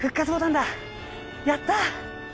やった！